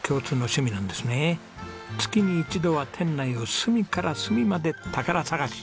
月に一度は店内を隅から隅まで宝探し。